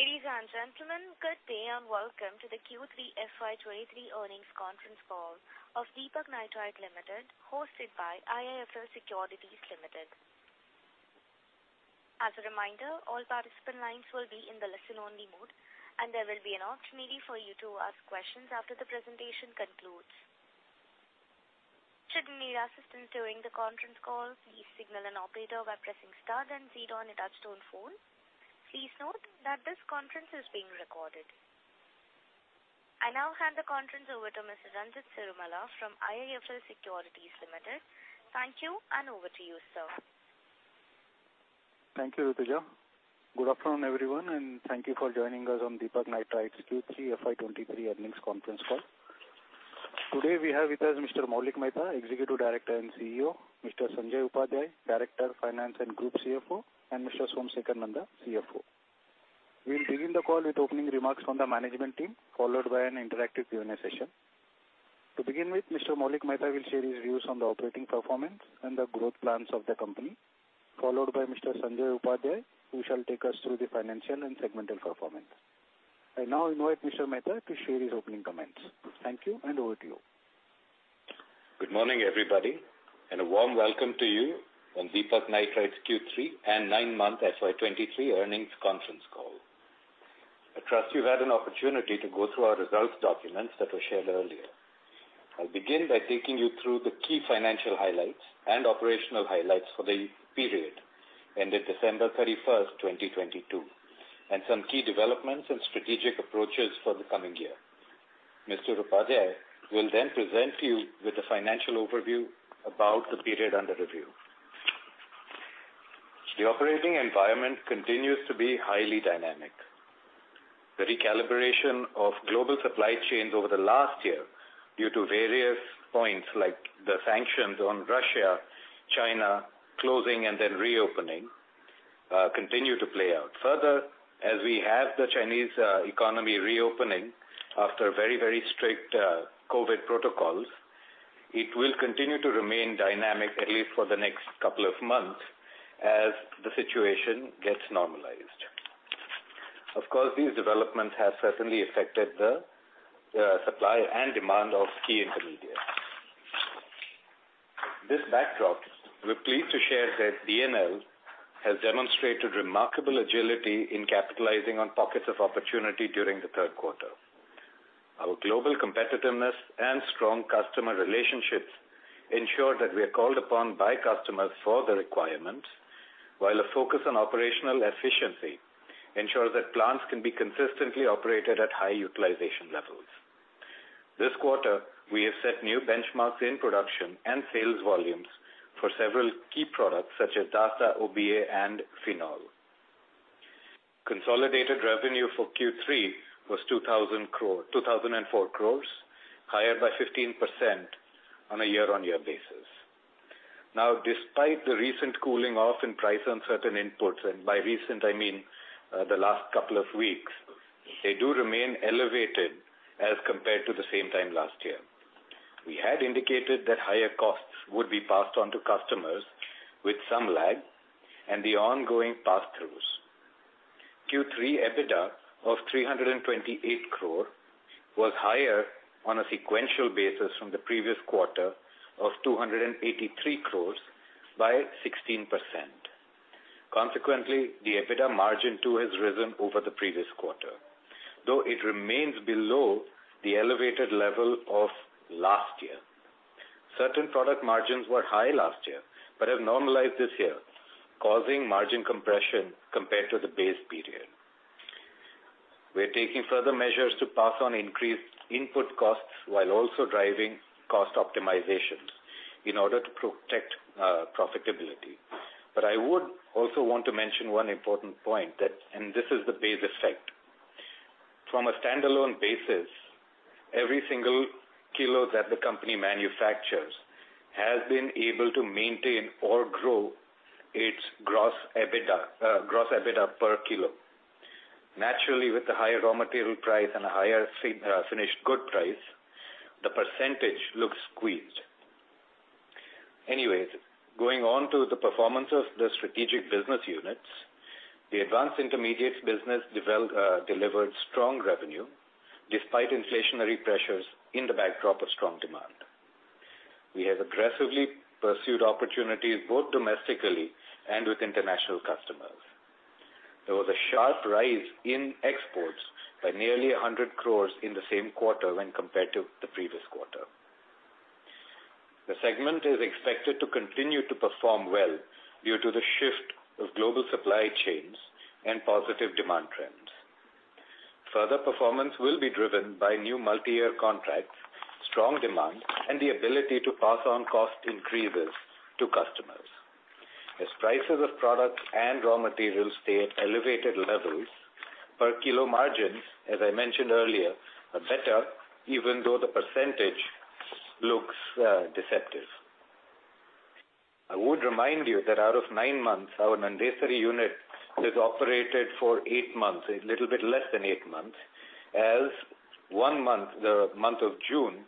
Ladies and gentlemen, good day and welcome to the Q3 FY 23 earnings conference call of Deepak Nitrite Limited, hosted by IIFL Securities Limited. As a reminder, all participant lines will be in the listen-only mode, and there will be an opportunity for you to ask questions after the presentation concludes. Should you need assistance during the conference call, please signal an operator by pressing star then zero on your touchtone phone. Please note that this conference is being recorded. I now hand the conference over to Mr. Ranjit Cirumalla from IIFL Securities Limited. Thank you, and over to you, sir. Thank you, Rutuja. Good afternoon, everyone, and thank you for joining us on Deepak Nitrite's Q3 FY23 earnings conference call. Today, we have with us Mr. Maulik Mehta, Executive Director and CEO, Mr. Sanjay Upadhyay, Director, Finance and Group CFO, and Mr. Somsekhar Nanda, CFO. We'll begin the call with opening remarks from the management team, followed by an interactive Q&A session. To begin with, Mr. Maulik Mehta will share his views on the operating performance and the growth plans of the company, followed by Mr. Sanjay Upadhyay, who shall take us through the financial and segmental performance. I now invite Mr. Mehta to share his opening comments. Thank you, and over to you. Good morning, everybody, a warm welcome to you on Deepak Nitrite's Q3 and nine-month FY 2023 earnings conference call. I trust you've had an opportunity to go through our results documents that were shared earlier. I'll begin by taking you through the key financial highlights and operational highlights for the period ended December 31st, 2022, some key developments and strategic approaches for the coming year. Mr. Upadhyay will present you with the financial overview about the period under review. The operating environment continues to be highly dynamic. The recalibration of global supply chains over the last year due to various points like the sanctions on Russia, China closing and then reopening, continue to play out. Further, as we have the Chinese economy reopening after very, very strict COVID protocols, it will continue to remain dynamic at least for the next couple of months as the situation gets normalized. Of course, these developments have certainly affected the supply and demand of key intermediates. This backdrop, we're pleased to share that DNL has demonstrated remarkable agility in capitalizing on pockets of opportunity during the Q3. Our global competitiveness and strong customer relationships ensure that we are called upon by customers for the requirement, while a focus on operational efficiency ensures that plants can be consistently operated at high utilization levels. This quarter, we have set new benchmarks in production and sales volumes for several key products such as DASDA, OBA, and phenol. Consolidated revenue for Q3 was 2,004 crore, higher by 15% on a year-on-year basis. Despite the recent cooling off in price on certain inputs, and by recent I mean, the last couple of weeks, they do remain elevated as compared to the same time last year. We had indicated that higher costs would be passed on to customers with some lag and the ongoing pass-throughs. Q3 EBITDA of 328 crore was higher on a sequential basis from the previous quarter of 283 crore by 16%. Consequently, the EBITDA margin too has risen over the previous quarter, though it remains below the elevated level of last year. Certain product margins were high last year but have normalized this year, causing margin compression compared to the base period. We're taking further measures to pass on increased input costs while also driving cost optimizations in order to protect profitability. I would also want to mention one important point that, and this is the base effect. From a standalone basis, every single kilo that the company manufactures has been able to maintain or grow its gross EBITDA per kilo. Naturally, with the higher raw material price and a higher finished good price, the percentage looks squeezed. Going on to the performance of the strategic business units, the advanced intermediates business delivered strong revenue despite inflationary pressures in the backdrop of strong demand. We have aggressively pursued opportunities both domestically and with international customers. There was a sharp rise in exports by nearly 100 crore in the same quarter when compared to the previous quarter. The segment is expected to continue to perform well due to the shift of global supply chains and positive demand trends. Further performance will be driven by new multi-year contracts, strong demand, and the ability to pass on cost increases to customers. As prices of products and raw materials stay at elevated levels, per kilo margins, as I mentioned earlier, are better even though the percentage looks deceptive. I would remind you that out of nine months, our Nandesari unit has operated for eight months, a little bit less than eight months, as one month, the month of June,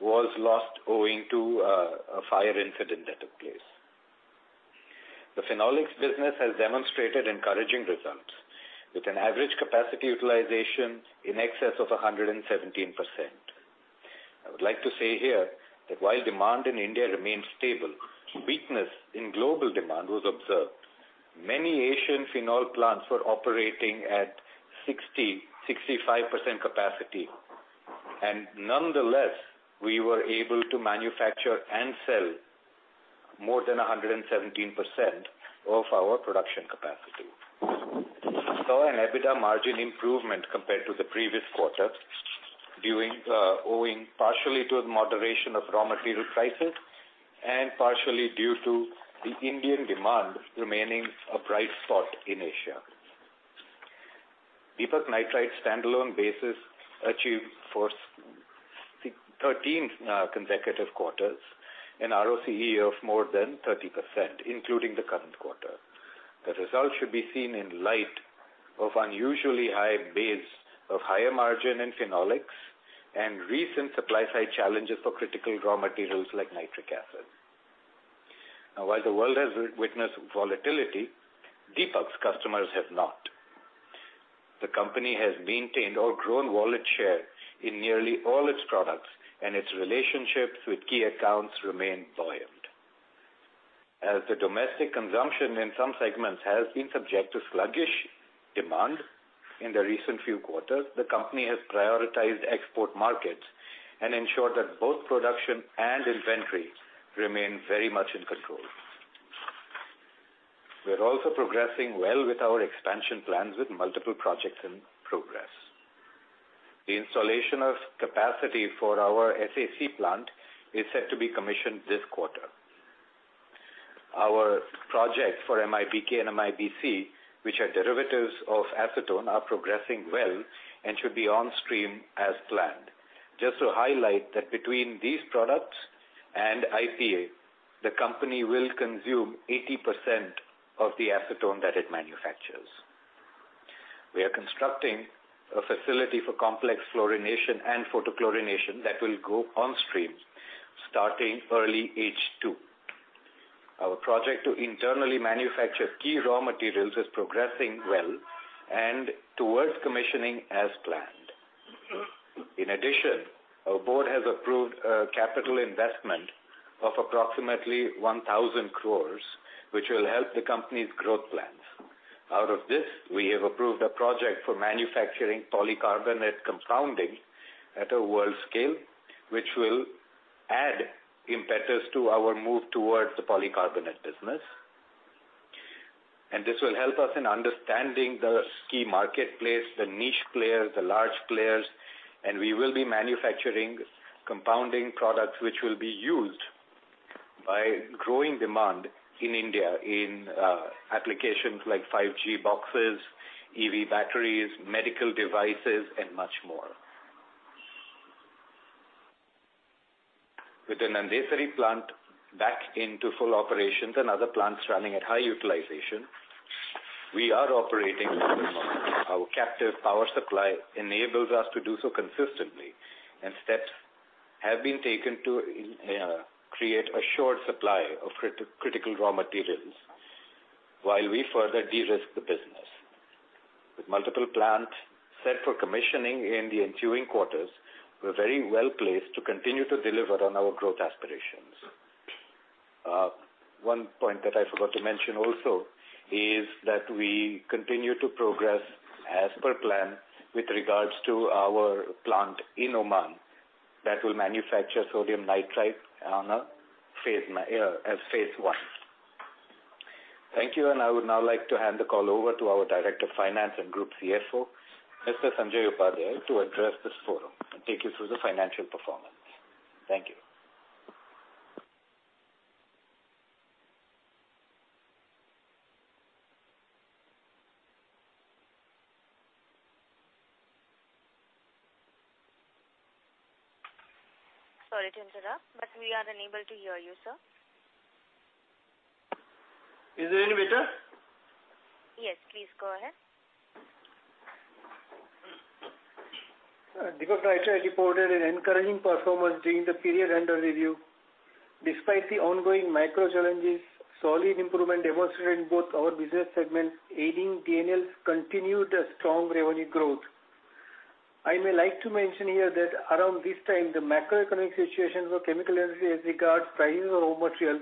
was lost owing to a fire incident that took place. The phenolics business has demonstrated encouraging results with an average capacity utilization in excess of 117%. I would like to say here that while demand in India remains stable, weakness in global demand was observed. Many Asian phenol plants were operating at 60%-65% capacity. Nonetheless, we were able to manufacture and sell more than 117% of our production capacity. We saw an EBITDA margin improvement compared to the previous quarter owing partially to the moderation of raw material prices and partially due to the Indian demand remaining a bright spot in Asia. Deepak Nitrite standalone basis achieved for 13 consecutive quarters an ROCE of more than 30%, including the current quarter. The results should be seen in light of unusually high base of higher margin in phenolics and recent supply side challenges for critical raw materials like nitric acid. While the world has witnessed volatility, Deepak's customers have not. The company has maintained or grown wallet share in nearly all its products. Its relationships with key accounts remain buoyant. As the domestic consumption in some segments has been subject to sluggish demand in the recent few quarters, the company has prioritized export markets and ensured that both production and inventory remain very much in control. We are also progressing well with our expansion plans with multiple projects in progress. The installation of capacity for our SAC plant is set to be commissioned this quarter. Our projects for MIBK and MIBC, which are derivatives of acetone, are progressing well and should be on stream as planned. Just to highlight that between these products and IPA, the company will consume 80% of the acetone that it manufactures. We are constructing a facility for complex fluorination and photochlorination that will go on stream starting early H2. Our project to internally manufacture key raw materials is progressing well and towards commissioning as planned. In addition, our board has approved a capital investment of approximately 1,000 cror, which will help the company's growth plans. Out of this, we have approved a project for manufacturing polycarbonate compounding at a world scale, which will add impetus to our move towards the polycarbonate business. This will help us in understanding the key marketplace, the niche players, the large players, and we will be manufacturing compounding products which will be used by growing demand in India in applications like 5G boxes, EV batteries, medical devices and much more. With the Nandesari plant back into full operations and other plants running at high utilization, we are operating our captive power supply enables us to do so consistently, and steps have been taken to create a short supply of critical raw materials while we further de-risk the business. With multiple plants set for commissioning in the ensuing quarters, we're very well placed to continue to deliver on our growth aspirations. One point that I forgot to mention also is that we continue to progress as per plan with regards to our plant in Oman that will manufacture sodium nitrite as phase one. Thank you. I would now like to hand the call over to our Director of Finance and Group CFO, Mr. Sanjay Upadhyay, to address this forum and take you through the financial performance. Thank you. Sorry to interrupt, but we are unable to hear you, sir. Is it any better? Yes, please go ahead. Deepak Nitrite reported an encouraging performance during the period under review. Despite the ongoing micro challenges, solid improvement demonstrated in both our business segments, aiding DNL's continued strong revenue growth. I may like to mention here that around this time, the macroeconomic situations of chemical energy as regards prices of raw material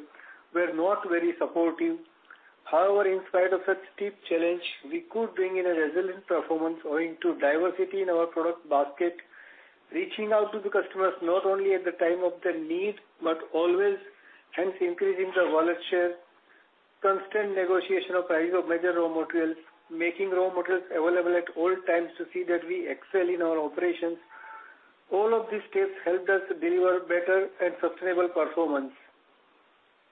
were not very supportive. However, in spite of such steep challenge, we could bring in a resilient performance owing to diversity in our product basket, reaching out to the customers not only at the time of their need, but always, hence increasing the wallet share, constant negotiation of price of major raw materials, making raw materials available at all times to see that we excel in our operations. All of these steps helped us deliver better and sustainable performance.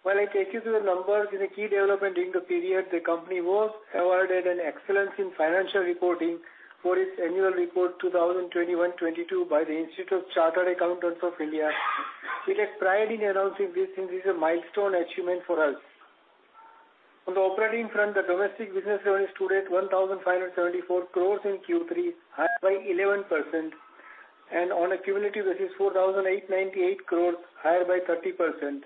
While I take you through the numbers, in a key development during the period, the company was awarded an Excellence in Financial Reporting for its annual report 2021, '22 by the Institute of Chartered Accountants of India. We take pride in announcing this. This is a milestone achievement for us. On the operating front, the domestic business revenue stood at 1,574 crores in Q3, higher by 11%. On a cumulative basis, 4,898 crores, higher by 30%.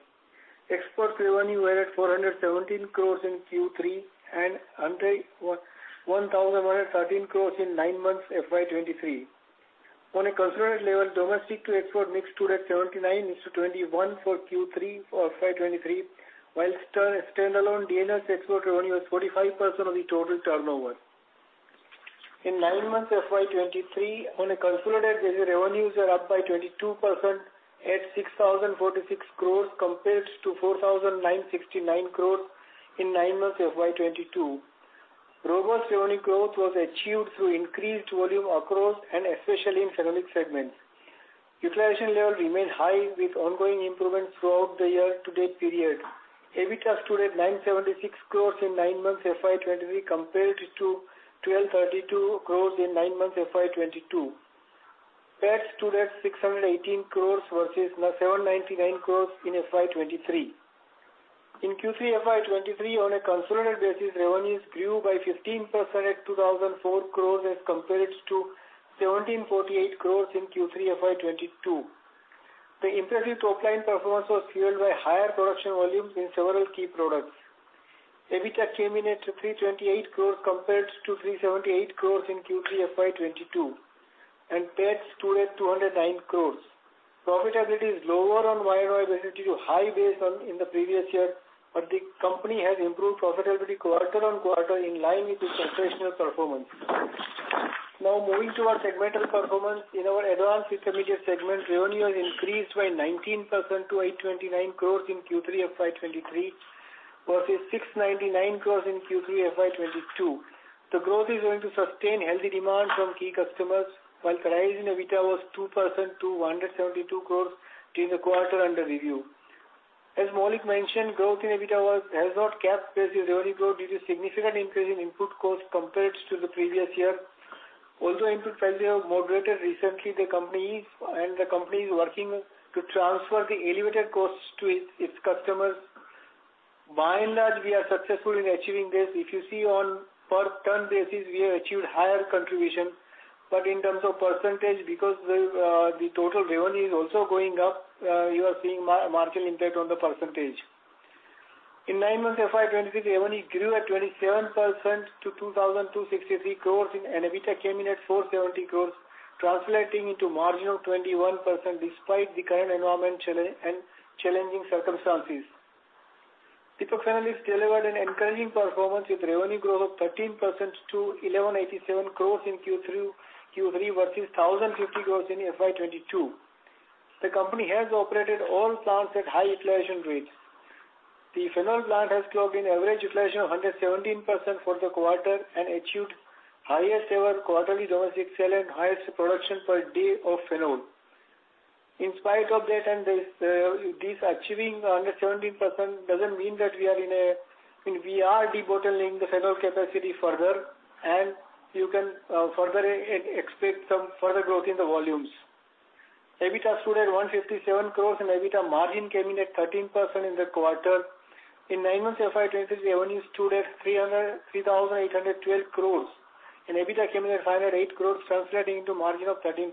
Export revenue were at 417 crores in Q3 and 1,113 crores in nine months FY23. On a consolidated level, domestic to export mix stood at 79 to 21 for Q3 of FY23, whilst standalone DNL's export revenue was 45% of the total turnover. In nine months FY23, on a consolidated basis, revenues are up by 22% at 6,046 crores compared to 4,969 crores in nine months FY22. Robust revenue growth was achieved through increased volume across and especially in phenolic segments. Utilization level remained high with ongoing improvements throughout the year-to-date period. EBITDA stood at 976 crores in nine months FY23 compared to 1,232 crores in nine months FY22. PAT stood at 618 crores versus 799 crores in FY23. In Q3 FY23, on a consolidated basis, revenues grew by 15% at 2,004 crores as compared to 1,748 crores in Q3 FY22. The impressive top line performance was fueled by higher production volumes in several key products. EBITDA came in at 328 crores compared to 378 crores in Q3 FY22. PAT stood at 209 crores. Profitability is lower on YOY basis due to high base in the previous year. The company has improved profitability quarter-on-quarter in line with the sensational performance. Moving to our segmental performance. In our advanced intermediate segment, revenue has increased by 19% to 829 crores in Q3 FY23 versus 699 crores in Q3 FY22. The growth is going to sustain healthy demand from key customers, while the rise in EBITDA was 2% to 172 crores during the quarter under review. As Maulik mentioned, growth in EBITDA has not kept pace with revenue growth due to significant increase in input costs compared to the previous year. Although input prices have moderated recently, the company is working to transfer the elevated costs to its customers. By and large, we are successful in achieving this. If you see on per ton basis, we have achieved higher contribution. In terms of percentage, because the total revenue is also going up, you are seeing marginal impact on the percentage. In nine months FY 2023, revenue grew at 27% to 2,263 crores and EBITDA came in at 470 crores, translating into margin of 21% despite the current environment and challenging circumstances. Deepak Phenolics delivered an encouraging performance with revenue growth of 13% to 1,187 crores in Q3 versus 1,050 crores in FY 2022. The company has operated all plants at high utilization rates. The phenol plant has clocked in average utilization of 117% for the quarter and achieved highest ever quarterly domestic sale and highest production per day of phenol. In spite of that, and this achieving 117% doesn't mean that we are, I mean, we are debottlenecking the phenol capacity further, and you can further expect some further growth in the volumes. EBITDA stood at 157 crores and EBITDA margin came in at 13% in the quarter. In nine months FY 2023, revenue stood at 3,812 crores, and EBITDA came in at 508 crores, translating into margin of 13%.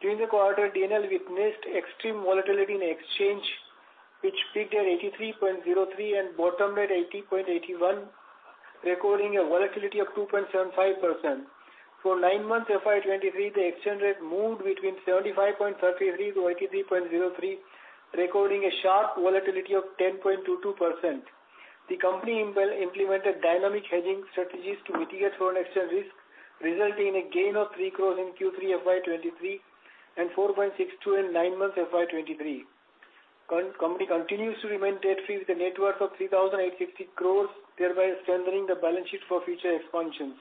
During the quarter, DNL witnessed extreme volatility in exchange, which peaked at 83.03 and bottomed at 80.81, recording a volatility of 2.75%. For nine months FY23, the exchange rate moved between 75.33 to 83.03, recording a sharp volatility of 10.22%. The company implemented dynamic hedging strategies to mitigate foreign exchange risk, resulting in a gain of 3 crores in Q3 FY23 and 4.62 crores in nine months FY23. Company continues to remain debt-free with a net worth of 3,850 crores, thereby strengthening the balance sheet for future expansions.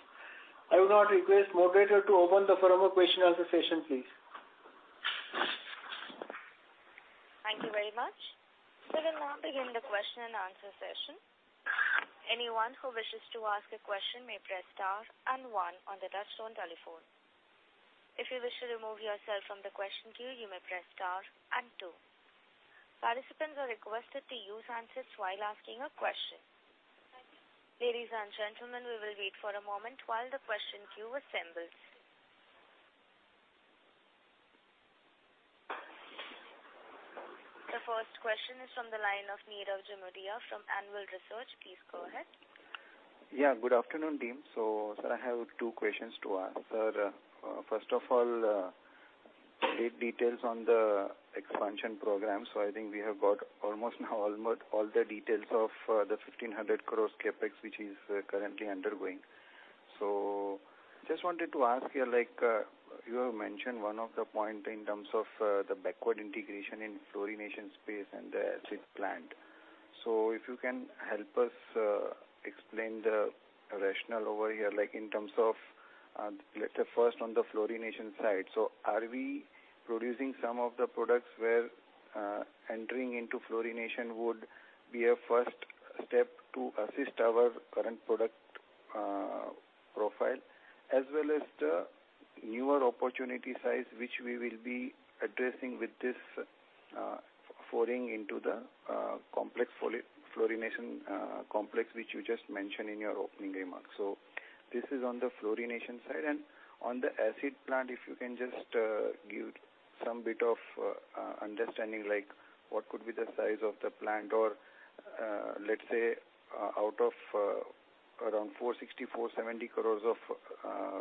I would now request moderator to open the forum for question-answer session, please. Thank you very much. We will now begin the question and answer session. Anyone who wishes to ask a question may press star and 1 on the touchtone telephone. If you wish to remove yourself from the question queue, you may press star and 2. Participants are requested to use answers while asking a question. Ladies and gentlemen, we will wait for a moment while the question queue assembles. The first question is from the line of Nirav Jimudia from Anvil Research. Please go ahead. Good afternoon, team. Sir, I have two questions to ask. Sir, first of all, the details on the expansion program. I think we have got almost now all the details of the 1,500 crores CapEx which is currently undergoing. Just wanted to ask you, like, you have mentioned one of the point in terms of the backward integration in fluorination space and the acid plant. If you can help us explain the rationale over here, like in terms of, let's say first on the fluorination side. Are we producing some of the products where, entering into fluorination would be a first step to assist our current product profile, as well as the newer opportunity size which we will be addressing with this? Foring into the complex fluorination complex, which you just mentioned in your opening remarks. This is on the fluorination side. On the acid plant, if you can just give some bit of understanding, like what could be the size of the plant? Out of around 460-470 crores of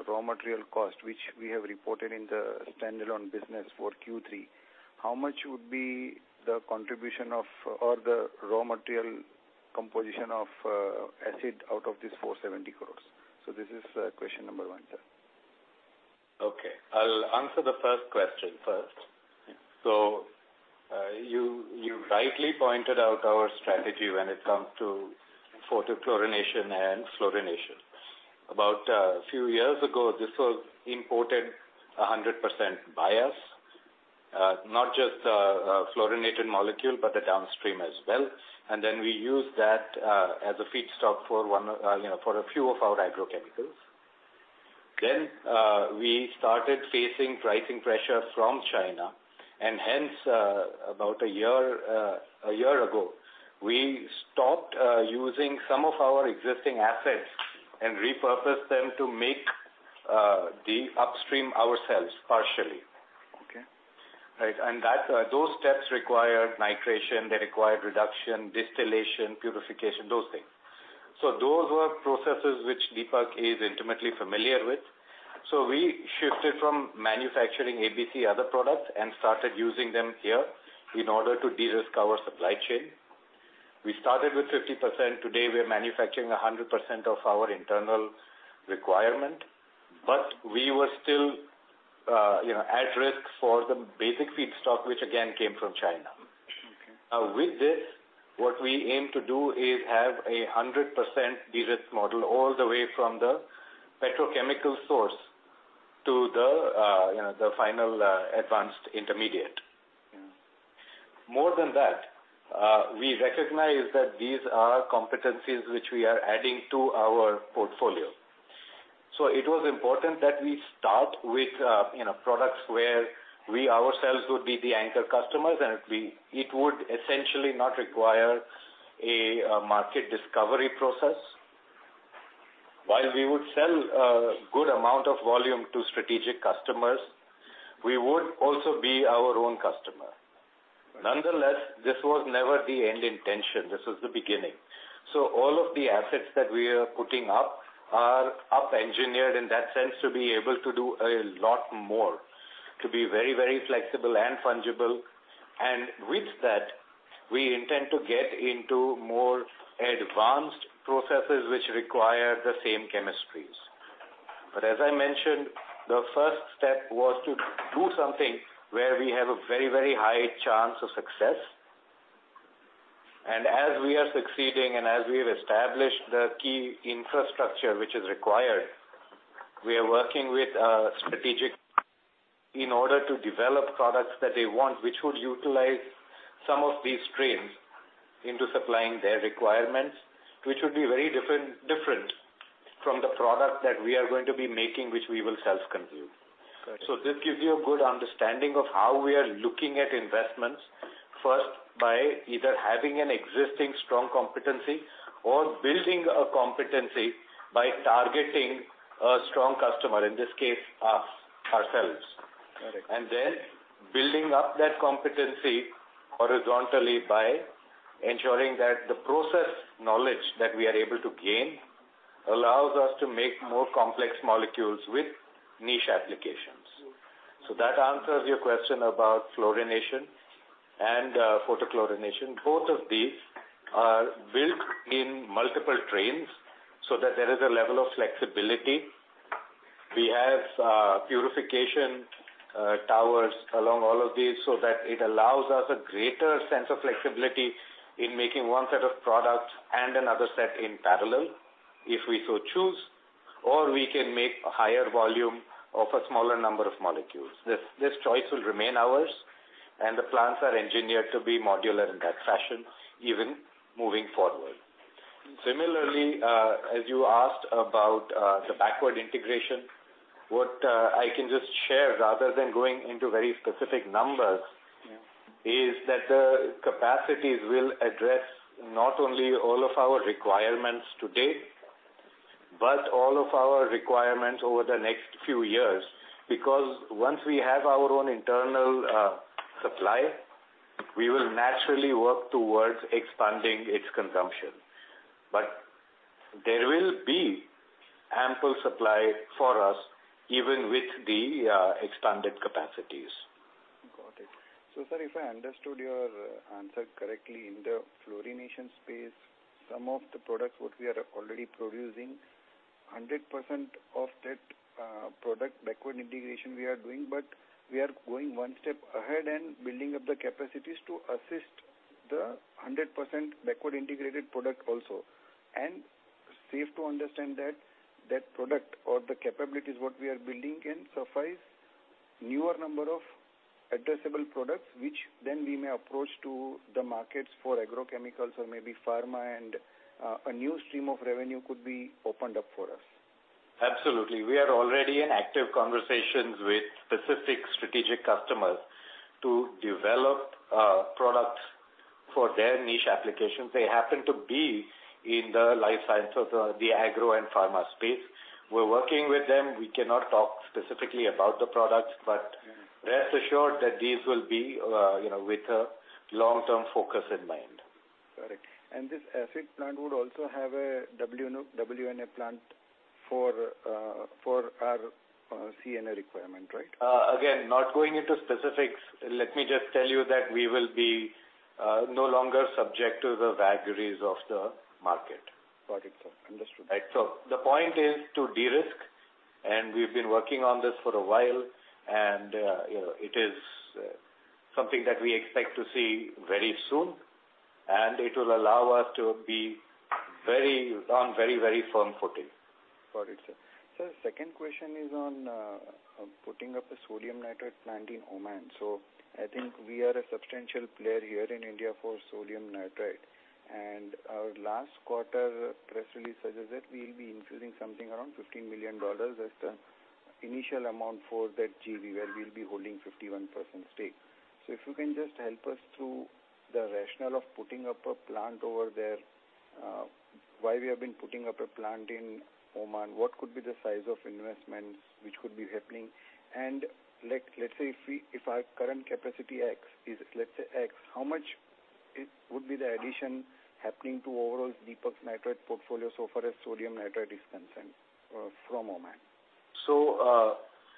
raw material cost, which we have reported in the standalone business for Q3, how much would be the contribution of, or the raw material composition of acid out of this 470 crores? This is question number one, sir. Okay. I'll answer the first question first. You, you rightly pointed out our strategy when it comes to photochlorination and fluorination. About a few years ago, this was imported 100% by us, not just the fluorinated molecule, but the downstream as well. We used that as a feedstock for you know, for a few of our agrochemicals. We started facing pricing pressure from China. Hence, about a year, a year ago, we stopped using some of our existing assets and repurposed them to make the upstream ourselves partially. Okay. Right. That, those steps require nitration, they require reduction, distillation, purification, those things. Those were processes which Deepak is intimately familiar with. We shifted from manufacturing ABC other products and started using them here in order to de-risk our supply chain. We started with 50%. Today, we are manufacturing 100% of our internal requirement. We were still, you know, at risk for the basic feedstock, which again came from China. Okay. Now with this, what we aim to do is have a 100% de-risk model all the way from the petrochemical source to the, you know, the final, advanced intermediate. Mm-hmm. More than that, we recognize that these are competencies which we are adding to our portfolio. It was important that we start with, you know, products where we ourselves would be the anchor customers, it would essentially not require a market discovery process. While we would sell a good amount of volume to strategic customers, we would also be our own customer. Right. Nonetheless, this was never the end intention. This was the beginning. All of the assets that we are putting up are up-engineered in that sense to be able to do a lot more, to be very, very flexible and fungible. With that, we intend to get into more advanced processes which require the same chemistries. As I mentioned, the first step was to do something where we have a very, very high chance of success. As we are succeeding and as we have established the key infrastructure which is required, we are working with strategic in order to develop products that they want, which would utilize some of these trains into supplying their requirements, which would be very different from the product that we are going to be making, which we will self-consume. Got it. This gives you a good understanding of how we are looking at investments, first by either having an existing strong competency or building a competency by targeting a strong customer, in this case us, ourselves. Got it. Building up that competency horizontally by ensuring that the process knowledge that we are able to gain allows us to make more complex molecules with niche applications. Mm-hmm. That answers your question about fluorination and photochlorination. Both of these are built in multiple trains so that there is a level of flexibility. We have purification towers along all of these so that it allows us a greater sense of flexibility in making one set of products and another set in parallel, if we so choose, or we can make a higher volume of a smaller number of molecules. This choice will remain ours, and the plants are engineered to be modular in that fashion, even moving forward. Similarly, as you asked about the backward integration, what I can just share rather than going into very specific numbers- Yeah is that the capacities will address not only all of our requirements today, but all of our requirements over the next few years. Once we have our own internal supply, we will naturally work towards expanding its consumption. There will be ample supply for us even with the expanded capacities. Got it. Sir, if I understood your answer correctly, in the fluorination space, some of the products what we are already producing, 100% of that product backward integration we are doing, but we are going one step ahead and building up the capacities to assist the 100% backward integrated product also. Safe to understand that that product or the capabilities what we are building can suffice newer number of addressable products, which then we may approach to the markets for agrochemicals or maybe pharma and a new stream of revenue could be opened up for us. Absolutely. We are already in active conversations with specific strategic customers to develop products for their niche applications. They happen to be in the life science of the agro and pharma space. We're working with them. We cannot talk specifically about the products, but rest assured that these will be, you know, with a long-term focus in mind. Correct. This ASIC plant would also have a WNA plant for our CNA requirement, right? Not going into specifics, let me just tell you that we will be no longer subject to the vagaries of the market. Got it, sir. Understood. Right. The point is to de-risk, and we've been working on this for a while, and, you know, it is, something that we expect to see very soon, and it will allow us to be on very, very firm footing. Got it, sir. Sir, second question is on putting up a sodium nitrate plant in Oman. I think we are a substantial player here in India for sodium nitrate. Our last quarter press release says that we'll be infusing something around $15 million as the initial amount for that JV, where we'll be holding 51% stake. If you can just help us through the rationale of putting up a plant over there, why we have been putting up a plant in Oman, what could be the size of investments which could be happening? Let's say if our current capacity X is, let's say X, how much it would be the addition happening to overall Deepak Nitrite portfolio so far as sodium nitrate is concerned, from Oman?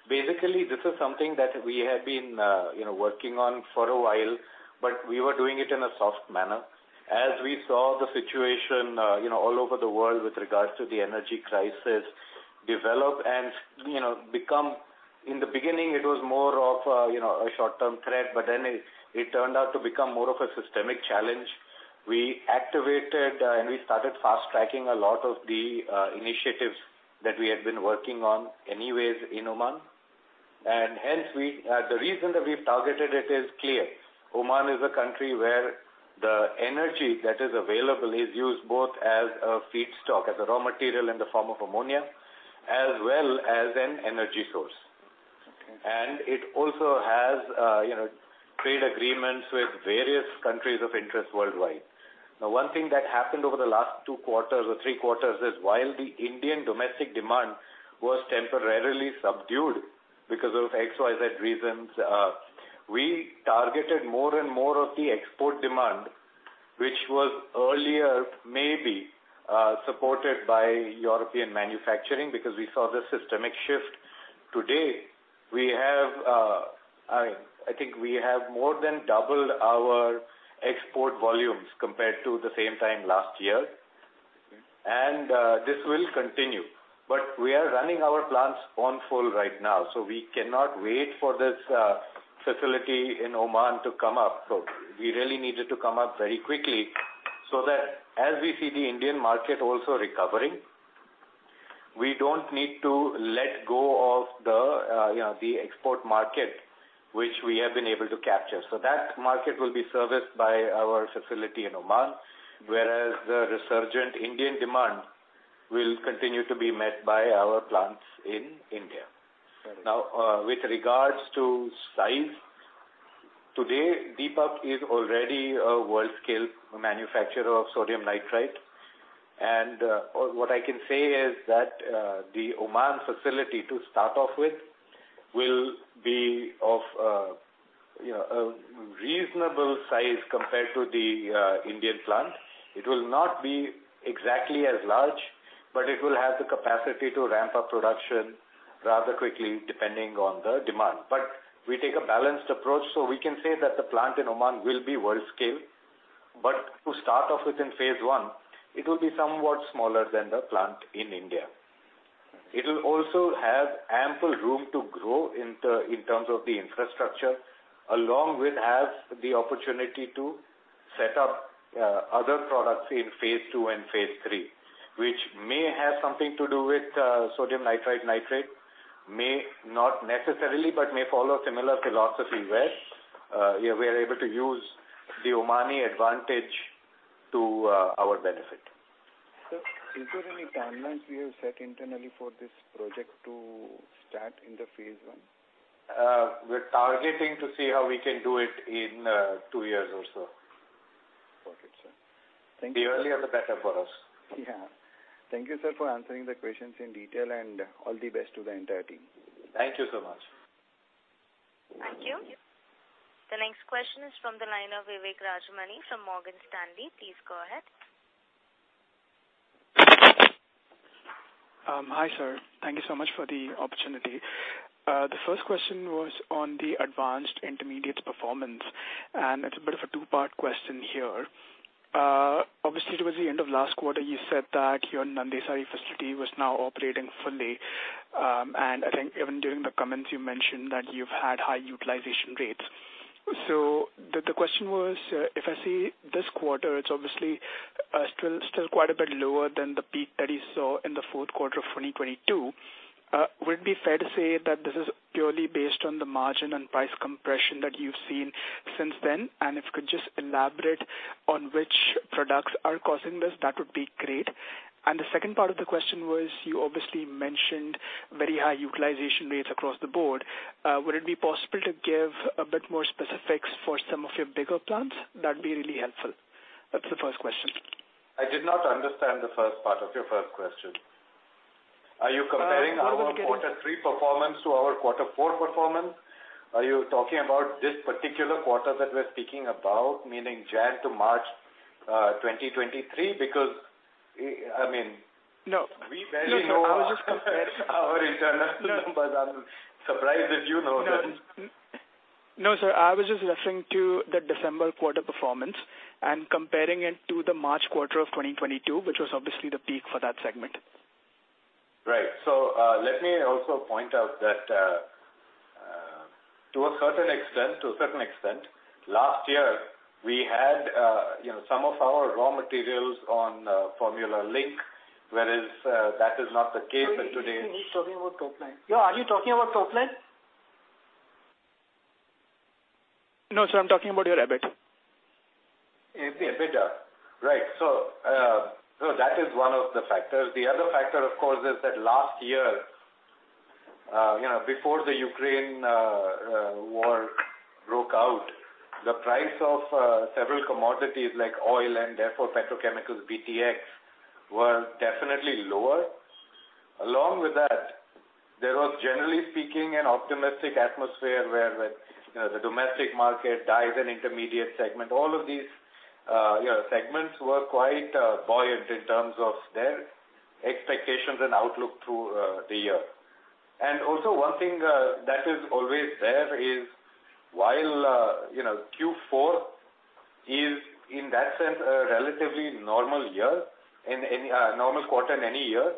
Basically, this is something that we have been, you know, working on for a while, but we were doing it in a soft manner. As we saw the situation, you know, all over the world with regards to the energy crisis develop and, you know, become. In the beginning it was more of, you know, a short-term threat, but then it turned out to become more of a systemic challenge. We activated, and we started fast-tracking a lot of the initiatives that we had been working on anyways in Oman. The reason that we've targeted it is clear. Oman is a country where the energy that is available is used both as a feedstock, as a raw material in the form of ammonia, as well as an energy source. Okay. It also has, you know, trade agreements with various countries of interest worldwide. Now, one thing that happened over the last two quarters or three quarters is, while the Indian domestic demand was temporarily subdued because of XYZ reasons, we targeted more and more of the export demand, which was earlier maybe, supported by European manufacturing because we saw the systemic shift. Today, we have, I think we have more than doubled our export volumes compared to the same time last year. Okay. This will continue. We are running our plants on full right now, so we cannot wait for this facility in Oman to come up. We really need it to come up very quickly so that as we see the Indian market also recovering, we don't need to let go of the, you know, the export market which we have been able to capture. That market will be serviced by our facility in Oman, whereas the resurgent Indian demand will continue to be met by our plants in India. Correct. With regards to size, today, Deepak is already a world-scale manufacturer of sodium nitrite. What I can say is that the Oman facility, to start off with, will be of, you know, a reasonable size compared to the Indian plant. It will not be exactly as large, but it will have the capacity to ramp up production rather quickly, depending on the demand. We take a balanced approach, so we can say that the plant in Oman will be world scale. To start off with in phase 1, it will be somewhat smaller than the plant in India. It'll also have ample room to grow in terms of the infrastructure, along with have the opportunity to set up other products in phase 2 and phase 3, which may have something to do with sodium nitrite, nitrate. May not necessarily, but may follow a similar philosophy where we are able to use the Omani advantage to our benefit. Sir, is there any timelines we have set internally for this project to start in the phase 1? We're targeting to see how we can do it in two years or so. Got it, sir. Thank you. The earlier, the better for us. Yeah. Thank you, sir, for answering the questions in detail, and all the best to the entire team. Thank you so much. Thank you. The next question is from the line of Vivek Rajamani from Morgan Stanley. Please go ahead. Hi, sir. Thank you so much for the opportunity. The first question was on the advanced intermediates performance, and it's a bit of a 2-part question here. Obviously towards the end of last quarter, you said that your Nandesari facility was now operating fully. I think even during the comments you mentioned that you've had high utilization rates. So the question was, if I see this quarter, it's obviously still quite a bit lower than the peak that you saw in the Q4 of 2022. Would it be fair to say that this is purely based on the margin and price compression that you've seen since then? If you could just elaborate on which products are causing this, that would be great. The second part of the question was, you obviously mentioned very high utilization rates across the board. Would it be possible to give a bit more specifics for some of your bigger plants? That'd be really helpful. That's the first question. I did not understand the first part of your first question. Are you comparing- What was the reason? -our quarter three performance to our quarter four performance? Are you talking about this particular quarter that we're speaking about, meaning Jan to March, 2023? Because, I mean No. We very know our internal numbers. I'm surprised that you know this. No, sir. I was just referring to the December quarter performance and comparing it to the March quarter of 2022, which was obviously the peak for that segment. Right. Let me also point out that, to a certain extent, last year we had, you know, some of our raw materials on formula link, whereas that is not the case in today's. Sir, he's talking about top line. Yo, are you talking about top line? No, sir, I'm talking about your EBIT. EBITDA. Right. That is one of the factors. The other factor, of course, is that last year, you know, before the Ukraine war broke out, the price of several commodities like oil and therefore petrochemicals, BTEX, were definitely lower. Along with that, there was, generally speaking, an optimistic atmosphere where the, you know, the domestic market dive and intermediate segment, all of these, you know, segments were quite buoyant in terms of their expectations and outlook through the year. Also one thing that is always there is while, you know, Q4 is in that sense a relatively normal year, in any normal quarter in any year,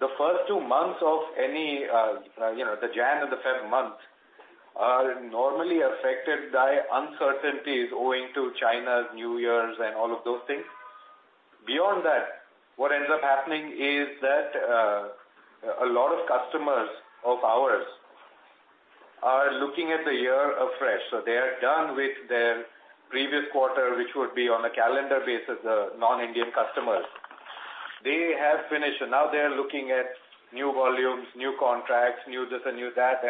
the first two months of any, you know, the Jan and the Feb months are normally affected by uncertainties owing to China's New Year's and all of those things. Beyond that, what ends up happening is that a lot of customers of ours are looking at the year afresh. They are done with their previous quarter, which would be on a calendar basis, the non-Indian customers. They have finished, now they are looking at new volumes, new contracts, new this and new that.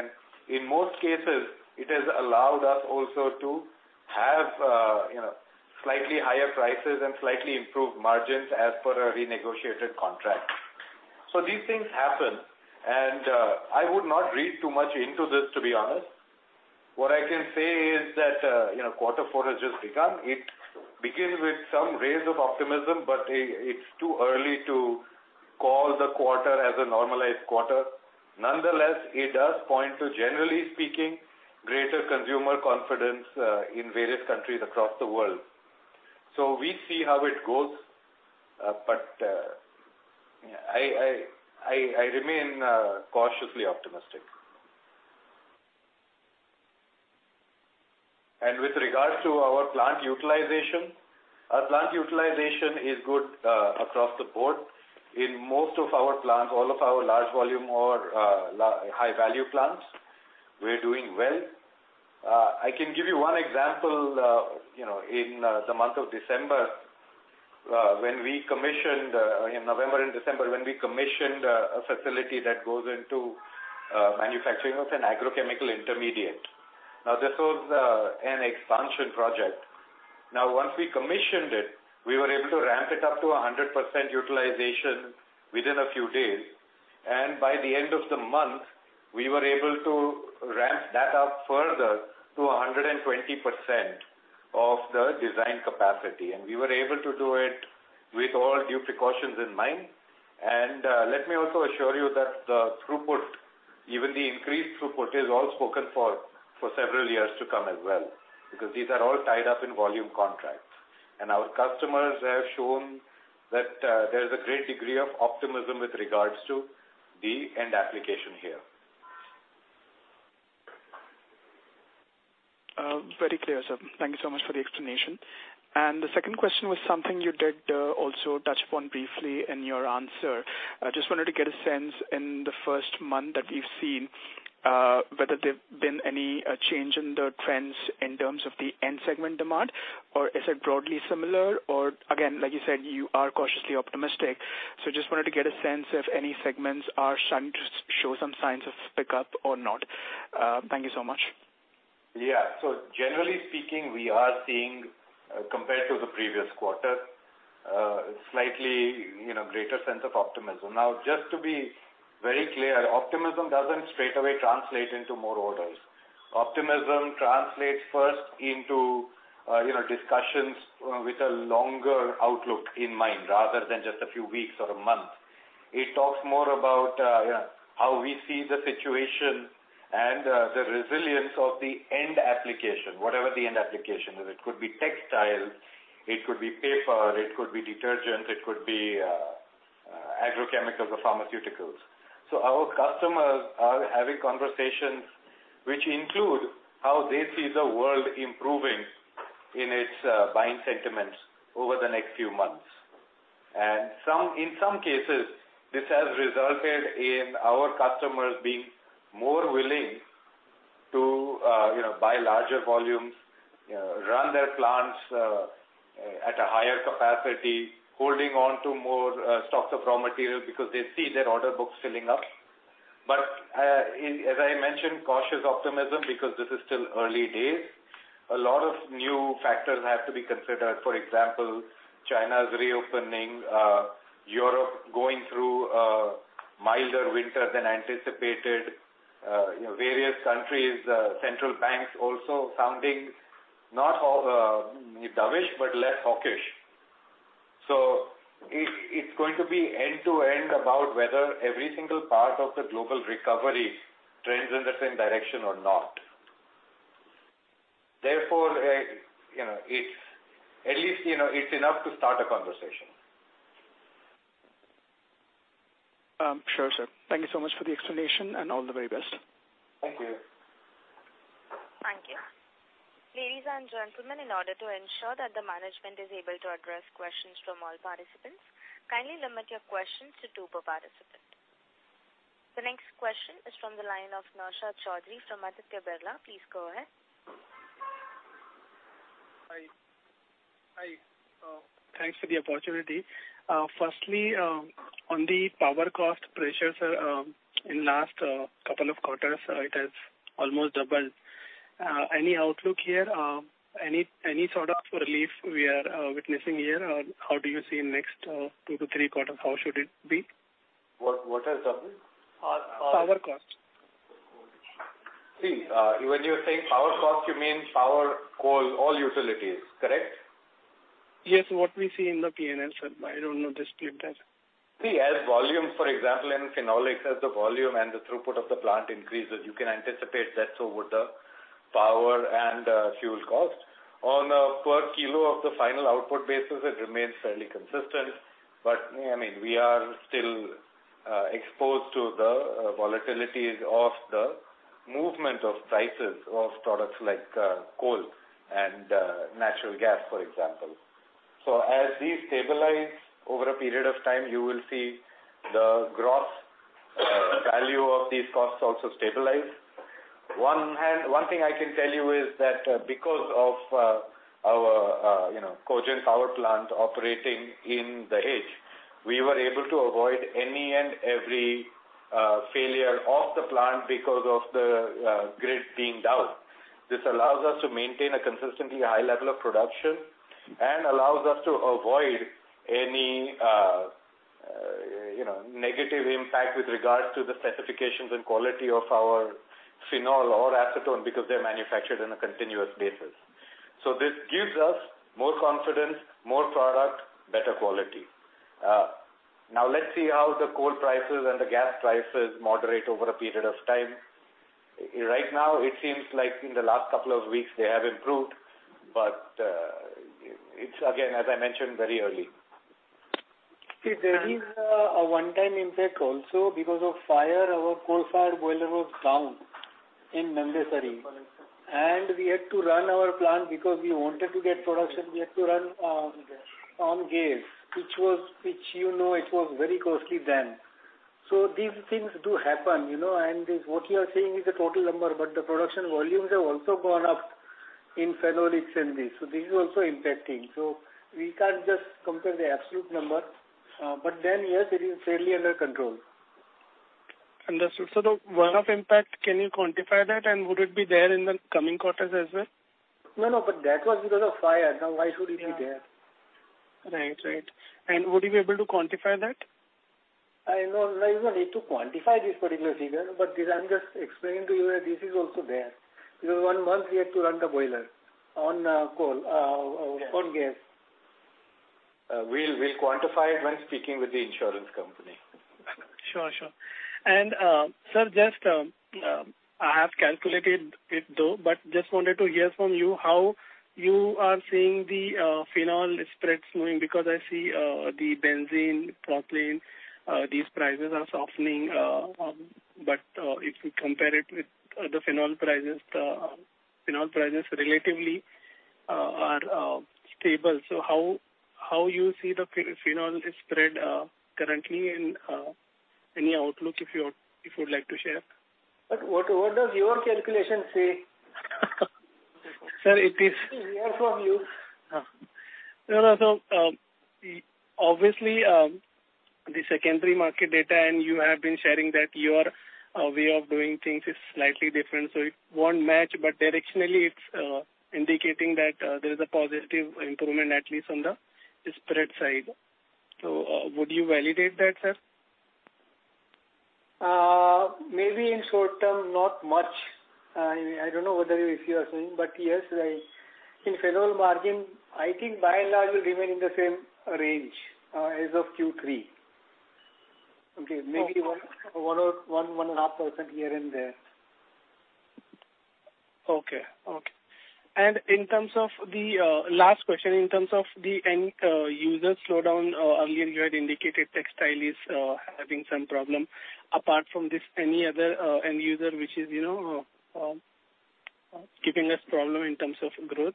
In most cases, it has allowed us also to have, you know, slightly higher prices and slightly improved margins as per a renegotiated contract. These things happen, and I would not read too much into this, to be honest. What I can say is that, you know, quarter four has just begun. It begins with some rays of optimism, but it's too early to call the quarter as a normalized quarter. Nonetheless, it does point to, generally speaking, greater consumer confidence in various countries across the world. We see how it goes. I remain cautiously optimistic. With regards to our plant utilization, our plant utilization is good across the board. In most of our plants, all of our large volume or high value plants, we're doing well. I can give you one example. You know, in the month of December, when we commissioned in November and December, when we commissioned a facility that goes into manufacturing of an agrochemical intermediate. This was an expansion project. Once we commissioned it, we were able to ramp it up to 100% utilization within a few days. By the end of the month, we were able to ramp that up further to 120% of the design capacity. We were able to do it with all due precautions in mind. Let me also assure you that the throughput, even the increased throughput, is all spoken for several years to come as well, because these are all tied up in volume contracts. Our customers have shown that, there is a great degree of optimism with regards to the end application here. Very clear, sir. Thank you so much for the explanation. The second question was something you did also touch upon briefly in your answer. I just wanted to get a sense in the first month that you've seen whether there's been any change in the trends in terms of the end segment demand, or is it broadly similar? Again, like you said, you are cautiously optimistic. Just wanted to get a sense if any segments are starting to show some signs of pick up or not. Thank you so much. Yeah. Generally speaking, we are seeing, compared to the previous quarter, slightly, you know, greater sense of optimism. Just to be very clear, optimism doesn't straightaway translate into more orders. Optimism translates first into, you know, discussions with a longer outlook in mind rather than just a few weeks or a month. It talks more about how we see the situation and the resilience of the end application, whatever the end application is. It could be textiles, it could be paper, it could be detergent, it could be agrochemicals or pharmaceuticals. Our customers are having conversations which include how they see the world improving in its buying sentiments over the next few months. In some cases, this has resulted in our customers being more willing to, you know, buy larger volumes, you know, run their plants, at a higher capacity, holding on to more stocks of raw material because they see their order books filling up. As I mentioned, cautious optimism because this is still early days. A lot of new factors have to be considered. For example, China's reopening, Europe going through a milder winter than anticipated, you know, various countries, central banks also sounding not all dovish, but less hawkish. It's going to be end to end about whether every single part of the global recovery trends in the same direction or not. Therefore, you know, it's at least, you know, it's enough to start a conversation. Sure, sir. Thank you so much for the explanation and all the very best. Thank you. Thank you. Ladies and gentlemen, in order to ensure that the management is able to address questions from all participants, kindly limit your questions to two per participant. The next question is from the line of Naushad Chaudhary from Aditya Birla. Please go ahead. Hi. Hi. Thanks for the opportunity. Firstly, on the power cost pressures, in last couple of quarters, it has almost doubled. Any outlook here? Any sort of relief we are witnessing here? How do you see next two to three quarters, how should it be? What has doubled? Power cost. See, when you're saying power cost, you mean power, coal, all utilities, correct? Yes. What we see in the PNL, sir. I don't know the split as- As volumes, for example, in phenolics, as the volume and the throughput of the plant increases, you can anticipate that's over the power and fuel cost. On a per kilo of the final output basis, it remains fairly consistent. I mean, we are still exposed to the volatilities of the movement of prices of products like coal and natural gas, for example. As these stabilize over a period of time, you will see the gross value of these costs also stabilize. One thing I can tell you is that because of our, you know, cogent power plant operating at Dahej, we were able to avoid any and every failure of the plant because of the grid being down. This allows us to maintain a consistently high level of production and allows us to avoid any, you know, negative impact with regards to the specifications and quality of our phenol or acetone because they're manufactured on a continuous basis. This gives us more confidence, more product, better quality. Now let's see how the coal prices and the gas prices moderate over a period of time. It seems like in the last couple of weeks, they have improved, but it's again, as I mentioned, very early. See, there is a one-time impact also. Because of fire, our coal fire boiler was down in Nandesari, and we had to run our plant. Because we wanted to get production, we had to run on gas, which you know it was very costly then. These things do happen, you know, and what you are saying is the total number, but the production volumes have also gone up in phenolics and this. This is also impacting. We can't just compare the absolute number. Yes, it is fairly under control. Understood. The one-off impact, can you quantify that? Would it be there in the coming quarters as well? No, no, that was because of fire. Now, why should it be there? Right. Right. Would you be able to quantify that? I know there's no need to quantify this particular figure, but this I'm just explaining to you that this is also there. One month we had to run the boiler on gas. We'll quantify it when speaking with the insurance company. Sure. Sure. Sir, just, I have calculated it, though, but just wanted to hear from you how you are seeing the phenol spreads moving. I see, the benzene, propylene, these prices are softening. If you compare it with the phenol prices, the phenol prices relatively, are, stable. How you see the phenol spread, currently, and, any outlook if you would like to share? What does your calculation say? Sir. Hear from you. No, no. Obviously, the secondary market DASDA and you have been sharing that your way of doing things is slightly different, so it won't match. Directionally, it's indicating that there is a positive improvement, at least on the spread side. Would you validate that, sir? Maybe in short term, not much. I don't know whether if you are saying, but yes, in phenol margin, I think by and large will remain in the same range as of Q3. Okay? Okay. Maybe 1 and a half % here and there. Okay. Okay. In terms of the last question, in terms of the end user slowdown, earlier you had indicated textile is having some problem. Apart from this, any other end user which is, you know, giving us problem in terms of growth?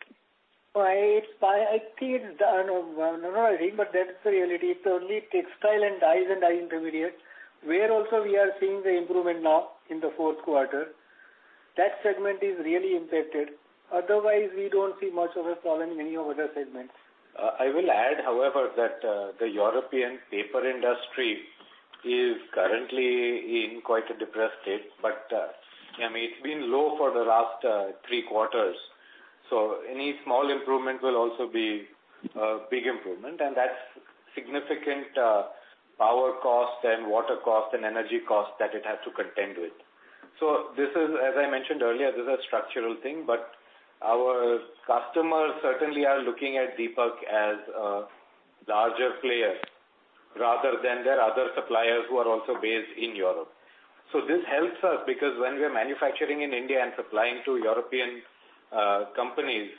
Well, I think it's I don't know, but that's the reality. It's only textile and dyes and dye intermediates, where also we are seeing the improvement now in the fourth quarter. That segment is really impacted. Otherwise, we don't see much of a problem in any other segment. I will add, however, that the European paper industry is currently in quite a depressed state. I mean, it's been low for the last three quarters. Any small improvement will also be a big improvement, and that's significant power cost and water cost and energy cost that it has to contend with. This is, as I mentioned earlier, this is a structural thing. Our customers certainly are looking at Deepak as a larger player rather than their other suppliers who are also based in Europe. This helps us because when we are manufacturing in India and supplying to European companies,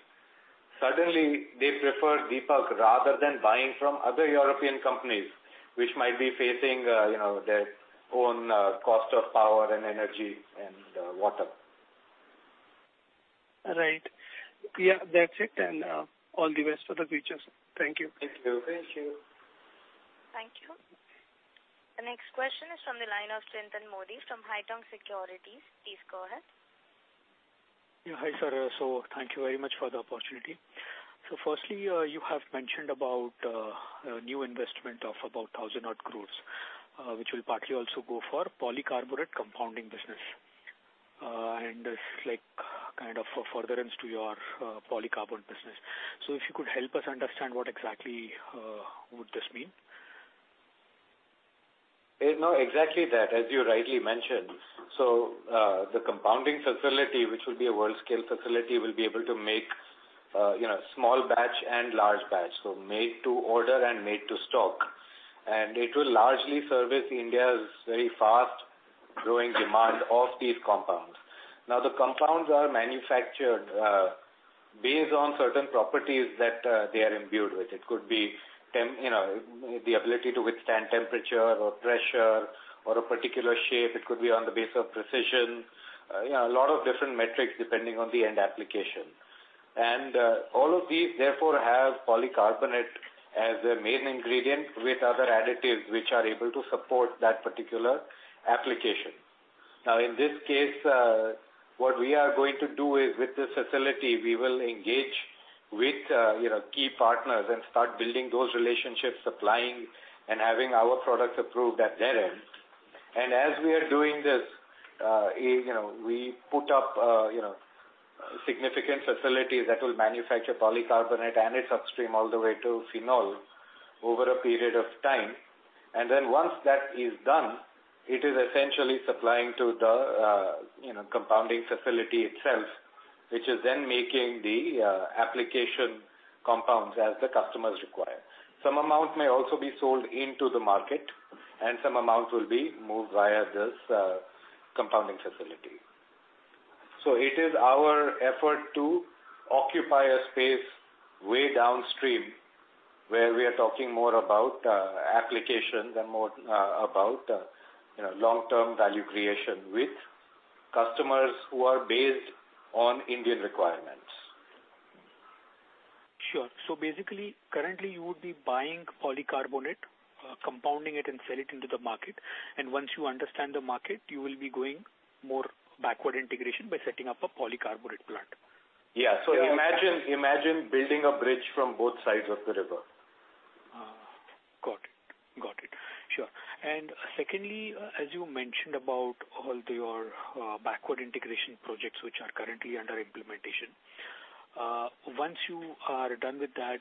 suddenly they prefer Deepak rather than buying from other European companies which might be facing, you know, their own cost of power and energy and water. Right. Yeah, that's it. All the best for the future, sir. Thank you. Thank you. Thank you. Thank you. The next question is from the line of Chintan Modi from Haitong Securities. Please go ahead. Yeah, hi, sir. Thank you very much for the opportunity. Firstly, you have mentioned about a new investment of about 1,000 odd crores, which will partly also go for polycarbonate compounding business. It's like kind of a furtherance to your polycarbonate business. If you could help us understand what exactly would this mean? No, exactly that, as you rightly mentioned. The compounding facility, which will be a world-scale facility, will be able to make, you know, small batch and large batch. Made to order and made to stock. It will largely service India's very fast-growing demand of these compounds. The compounds are manufactured, based on certain properties that they are imbued with. It could be, you know, the ability to withstand temperature or pressure or a particular shape. It could be on the base of precision. You know, a lot of different metrics depending on the end application. All of these therefore have polycarbonate as their main ingredient with other additives which are able to support that particular application. In this case, what we are going to do is with this facility, we will engage with, you know, key partners and start building those relationships, supplying and having our products approved at their end. As we are doing this, you know, we put up, you know, significant facilities that will manufacture polycarbonate and its upstream all the way to phenol over a period of time. Once that is done, it is essentially supplying to the, you know, compounding facility itself, which is then making the application compounds as the customers require. Some amount may also be sold into the market, and some amount will be moved via this, compounding facility. It is our effort to occupy a space way downstream, where we are talking more about application than more about, you know, long-term value creation with customers who are based on Indian requirements. Sure. Basically, currently you would be buying polycarbonate, compounding it and sell it into the market. Once you understand the market, you will be going more backward integration by setting up a polycarbonate plant. Yeah. Imagine building a bridge from both sides of the river. got it. Got it. Sure. Secondly, as you mentioned about all your backward integration projects which are currently under implementation, once you are done with that,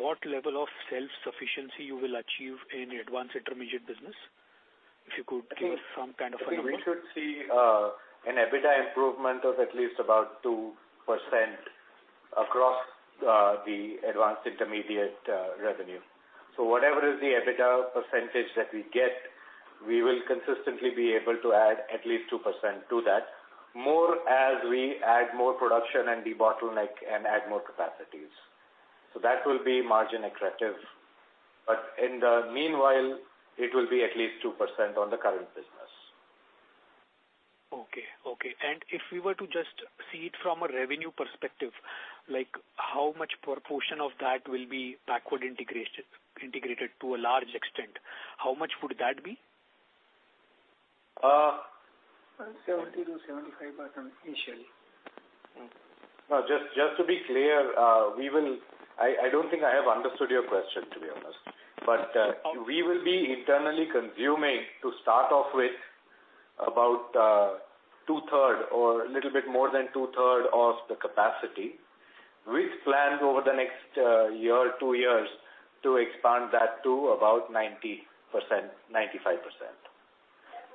what level of self-sufficiency you will achieve in advanced intermediate business? If you could give some kind of a number? I think we should see an EBITDA improvement of at least about 2% across the advanced intermediate revenue. Whatever is the EBITDA percentage that we get, we will consistently be able to add at least 2% to that, more as we add more production and debottleneck and add more capacities. That will be margin accretive. In the meanwhile, it will be at least 2% on the current business. Okay. Okay. If we were to just see it from a revenue perspective, like how much proportion of that will be backward integrated to a large extent? How much would that be? Uh. 70%-75% initially. Just to be clear, I don't think I have understood your question, to be honest. We will be internally consuming to start off with about 2/3 or a little bit more than 2/3 of the capacity, with plans over the next year, two years to expand that to about 90%, 95%.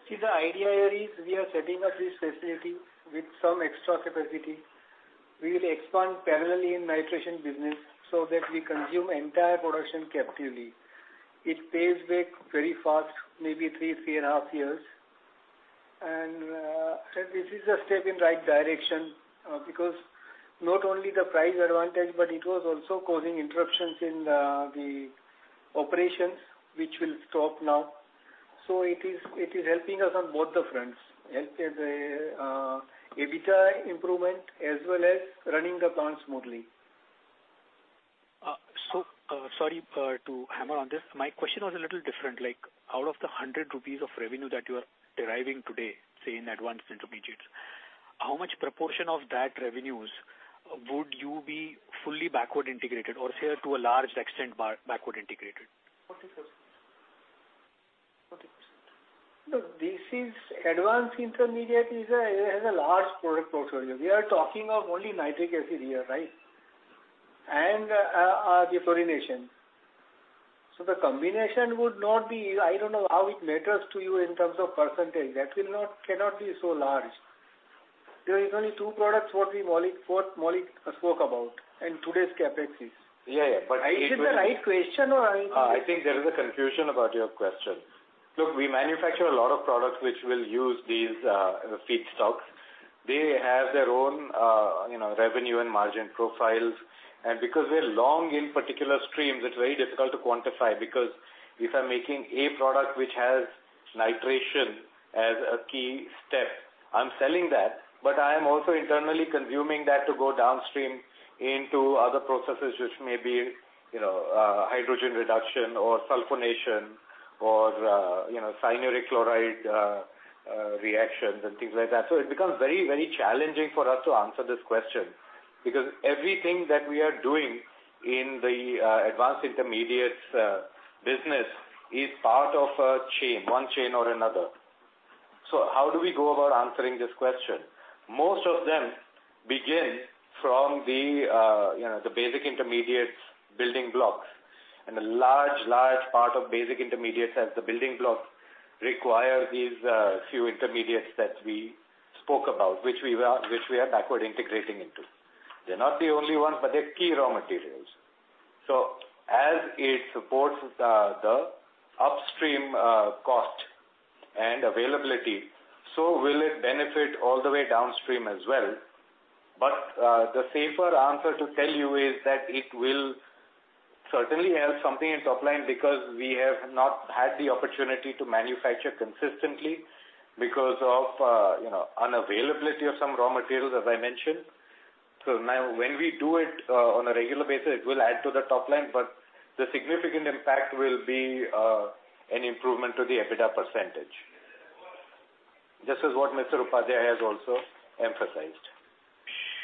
See, the idea here is we are setting up this facility with some extra capacity. We will expand parallelly in nitration business so that we consume entire production captively. It pays back very fast, maybe three and a half years. This is a step in right direction because not only the price advantage, but it was also causing interruptions in the operations which will stop now. It is helping us on both the fronts. Helping the EBITDA improvement as well as running the plant smoothly. To hammer on this. My question was a little different. Out of the 100 rupees of revenue that you are deriving today in advanced intermediates, how much proportion of that revenues would you be fully backward integrated or to a large extent backward integrated? 40%. 40%. Look, advanced intermediate is a, it has a large product portfolio. We are talking of only nitric acid here, right? The chlorination. The combination would not be... I don't know how it matters to you in terms of percentage. That cannot be so large. There are only two products, what Maulik spoke about, and today's CapEx is. Yeah. Is it the right question or I-? Uh, I think there is a confusion about your question. Look, we manufacture a lot of products which will use these, uh, feedstocks. They have their own, uh, you know, revenue and margin profiles. And because they're long in particular streams, it's very difficult to quantify because if I'm making a product which has nitration as a key step, I'm selling that, but I am also internally consuming that to go downstream into other processes which may be, you know, uh, hydrogen reduction or sulfonation or, uh, you know, cyanuric chloride, uh, uh, reactions and things like that. So it becomes very, very challenging for us to answer this question because everything that we are doing in the, uh, advanced intermediates, uh, business is part of a chain, one chain or another. So how do we go about answering this question? Most of them begin from the, you know, the basic intermediates building blocks, and a large part of basic intermediates as the building blocks require these, few intermediates that we spoke about, which we are, which we are backward integrating into. They're not the only ones, but they're key raw materials. So as it supports the upstream, cost and availability, so will it benefit all the way downstream as well. But, the safer answer to tell you is that it will certainly help something in top line because we have not had the opportunity to manufacture consistently because of, you know, unavailability of some raw materials, as I mentioned. So now when we do it, on a regular basis, it will add to the top line, but the significant impact will be, an improvement to the EBITDA percentage. Just as what Mr. Upadhyay has also emphasized.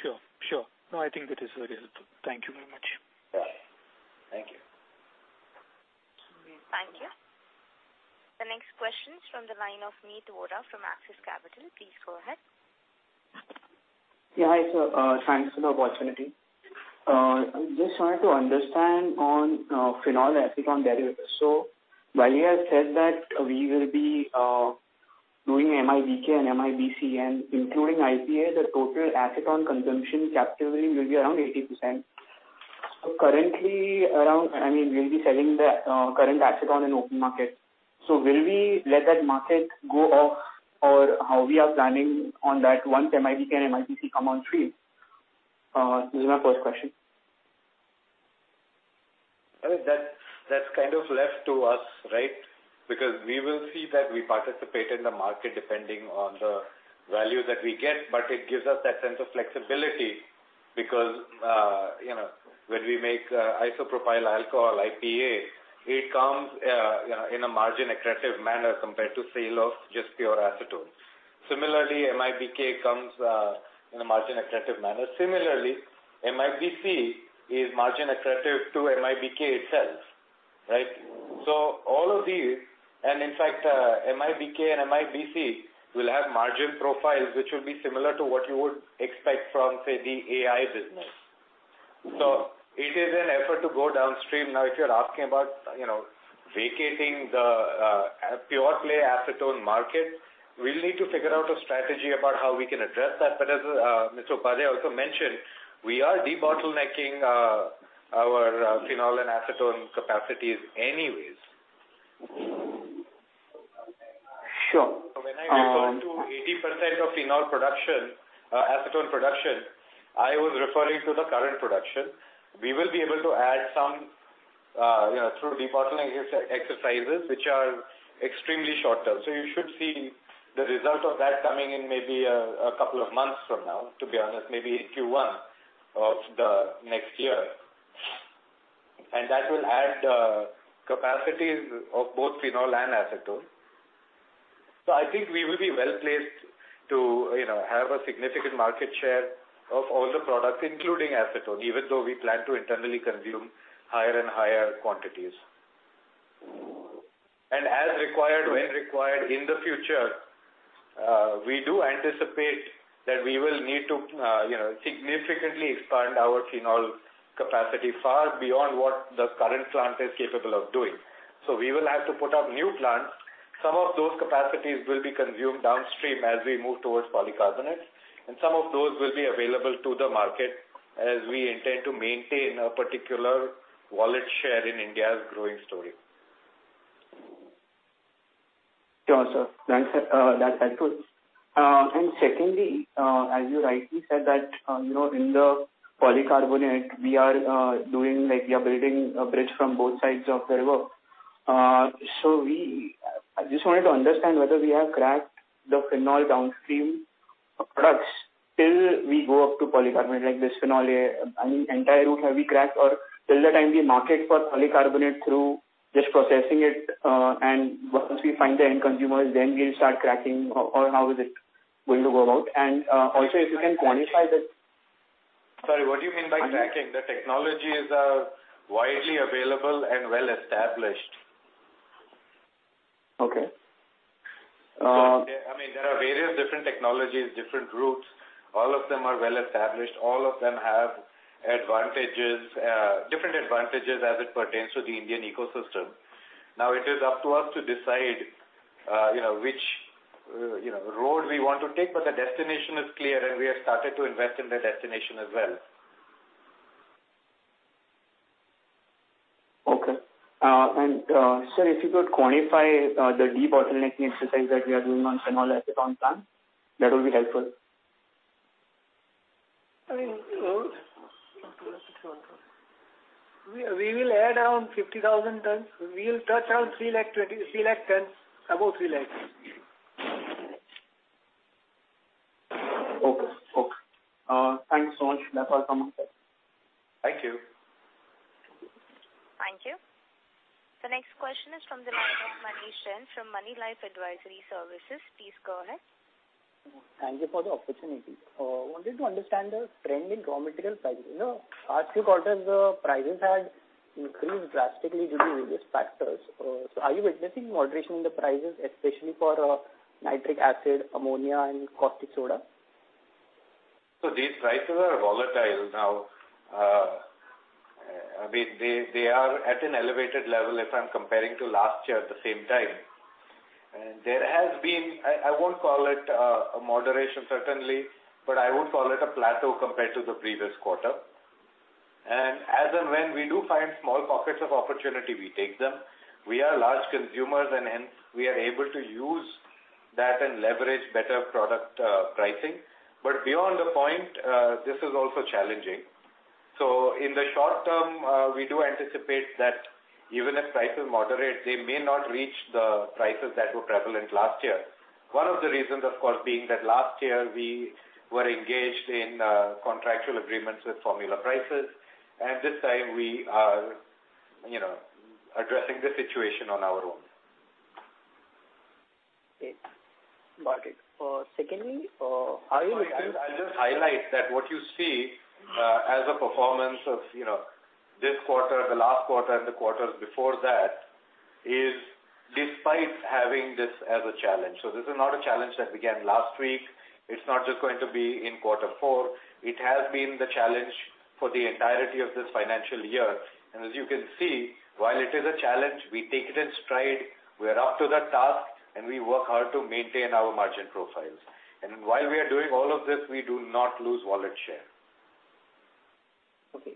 Sure. Sure. No, I think it is very helpful. Thank you very much. Right. Thank you. Thank you so much. Thank you. The next question is from the line of Meet Vora from Axis Capital. Please go ahead. Yeah, hi sir. Thanks for the opportunity. I just wanted to understand on phenol acetone derivatives. While you have said that we will be doing MIBK and MIBC and including IPA, the total acetone consumption capture rate will be around 80%. Currently I mean, we'll be selling the current acetone in open market. Will we let that market go off or how we are planning on that once MIBK and MIBC come on stream? This is my first question. I think that's kind of left to us, right? We will see that we participate in the market depending on the value that we get, but it gives us that sense of flexibility because, you know, when we make, isopropyl alcohol, IPA, it comes, you know, in a margin accretive manner compared to sale of just pure acetone. MIBK comes, in a margin accretive manner. MIBC is margin accretive to MIBK itself, right? All of these, and in fact, MIBK and MIBC will have margin profiles which will be similar to what you would expect from, say, the AI business. It is an effort to go downstream. If you're asking about, you know, vacating the, pure play acetone market, we'll need to figure out a strategy about how we can address that. As, Mr. Upadhyay also mentioned, we are debottlenecking our phenol and acetone capacities anyways. Sure. When I refer to 80% of phenol production, acetone production, I was referring to the current production. We will be able to add some, you know, through debottlenecking exercises which are extremely short-term. You should see the result of that coming in maybe a couple of months from now, to be honest, maybe in Q1 of the next year. That will add capacities of both phenol and acetone. I think we will be well-placed to, you know, have a significant market share of all the products, including acetone, even though we plan to internally consume higher and higher quantities. As required, when required in the future, we do anticipate that we will need to, you know, significantly expand our phenol capacity far beyond what the current plant is capable of doing. We will have to put up new plants. Some of those capacities will be consumed downstream as we move towards polycarbonates. Some of those will be available to the market as we intend to maintain a particular wallet share in India's growing story. Sure, sir. Thanks. That's helpful. Secondly, as you rightly said that, you know, in the polycarbonate we are, doing like we are building a bridge from both sides of the river. I just wanted to understand whether we have cracked the phenol downstream products till we go up to polycarbonate, like this phenol, I mean, entire route have we cracked or till the time we market for polycarbonate through just processing it, and once we find the end consumers then we'll start cracking or how is it going to go about? Also, if you can quantify that? Sorry, what do you mean by cracking? The technology is widely available and well established. Okay. I mean, there are various different technologies, different routes. All of them are well established. All of them have advantages, different advantages as it pertains to the Indian ecosystem. It is up to us to decide, you know, which, you know, road we want to take. The destination is clear. We have started to invest in that destination as well. Okay. sir, if you could quantify, the debottlenecking exercise that we are doing on phenol acetone plant, that would be helpful. I mean, we will add on 50,000 tons. We will touch on 3 lakh 20, 3 lakh tons, above 3 lakhs. Okay. Okay. Thank you so much. That's all from my side. Thank you. Thank you. The next question is from the line of Manish Jain from Moneylife Advisory Services. Please go ahead. Thank you for the opportunity. Wanted to understand the trend in raw material prices. You know, last three quarters the prices had increased drastically due to various factors. Are you witnessing moderation in the prices especially for nitric acid, ammonia and caustic soda? These prices are volatile now. They are at an elevated level if I'm comparing to last year at the same time. There has been I won't call it a moderation certainly, but I would call it a plateau compared to the previous quarter. As and when we do find small pockets of opportunity, we take them. We are large consumers and hence we are able to use that and leverage better product pricing. Beyond the point, this is also challenging. In the short term, we do anticipate that even if prices moderate, they may not reach the prices that were prevalent last year. One of the reasons of course being that last year we were engaged in contractual agreements with formula prices, and this time we are, you know, addressing the situation on our own. Okay. Got it. Secondly. I'll just highlight that what you see, you know, as a performance of this quarter, the last quarter and the quarters before that is despite having this as a challenge. This is not a challenge that began last week. It's not just going to be in quarter four. It has been the challenge for the entirety of this financial year. As you can see, while it is a challenge, we take it in stride. We are up to the task, and we work hard to maintain our margin profiles. While we are doing all of this, we do not lose wallet share. Okay.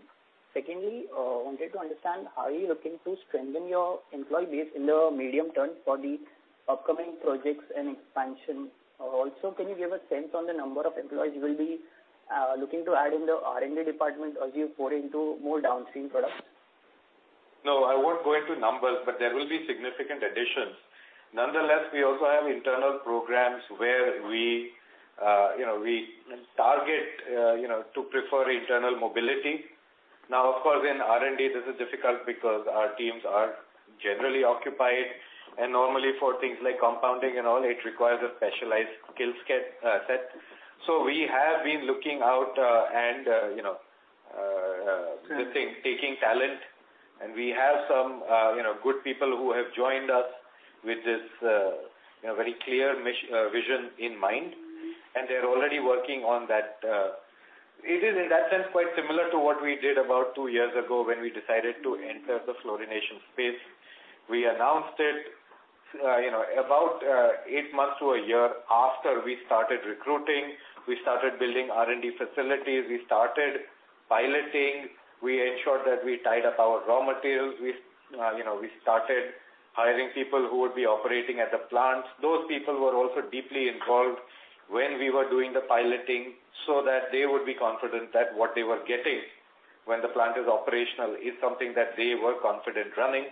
Secondly, wanted to understand, are you looking to strengthen your employee base in the medium term for the upcoming projects and expansion? Also, can you give a sense on the number of employees you will be looking to add in the R&D department as you pour into more downstream products? No, I won't go into numbers, but there will be significant additions. Nonetheless, we also have internal programs where we, you know, we target, you know, to prefer internal mobility. Now of course, in R&D this is difficult because our teams are generally occupied and normally for things like compounding and all, it requires a specialized skill set. So we have been looking out, and, you know, taking talent and we have some, you know, good people who have joined us with this, you know, very clear vision in mind, and they're already working on that. It is in that sense quite similar to what we did about two years ago when we decided to enter the fluorination space. We announced it, you know, about eight months to a year after we started recruiting. We started building R&D facilities. We started piloting. We ensured that we tied up our raw materials. We, you know, we started hiring people who would be operating at the plants. Those people were also deeply involved when we were doing the piloting so that they would be confident that what they were getting when the plant is operational is something that they were confident running.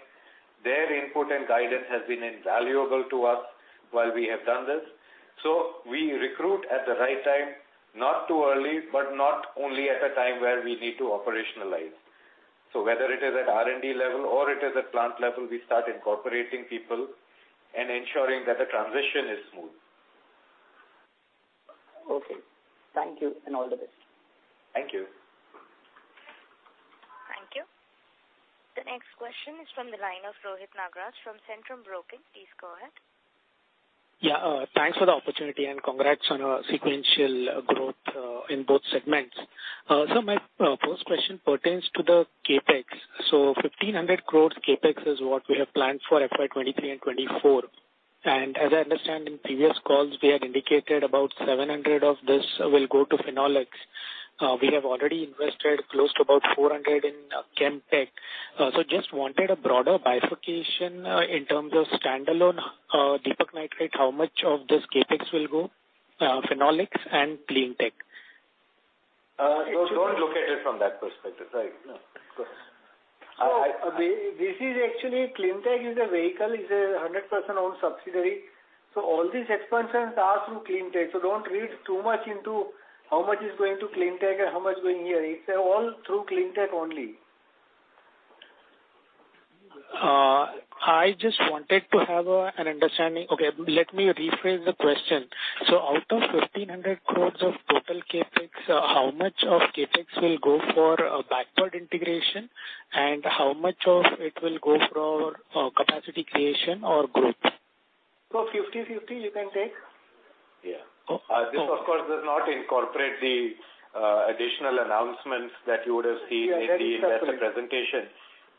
Their input and guidance has been invaluable to us while we have done this. We recruit at the right time, not too early, but not only at a time where we need to operationalize. Whether it is at R&D level or it is at plant level, we start incorporating people and ensuring that the transition is smooth. Okay. Thank you and all the best. Thank you. Thank you. The next question is from the line of Rohit Nagraj from Centrum Broking. Please go ahead. Yeah. Thanks for the opportunity and congrats on sequential growth in both segments. My first question pertains to the CapEx. 1,500 crores CapEx is what we have planned for FY 2023 and 2024. As I understand in previous calls we had indicated about 700 crores of this will go to Phenolics. We have already invested close to about 400 in Chem Tech. Just wanted a broader bifurcation, in terms of standalone Deepak Nitrite, how much of this CapEx will go phenolics and Cleantech? Don't look at it from that perspective. Right. No, of course. This is actually Cleantech is a vehicle, is a 100% owned subsidiary. All these expansions are through Cleantech. Don't read too much into how much is going to Cleantech and how much going here. It's all through Cleantech only. I just wanted to have an understanding. Okay, let me rephrase the question. Out of 1,500 crores of total CapEx, how much of CapEx will go for backward integration? How much of it will go for capacity creation or growth? 50/50 you can take. Yeah. Okay. This of course does not incorporate the additional announcements that you would have seen. Yeah. in the investor presentation,